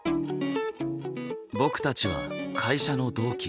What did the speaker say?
僕たちは会社の同期。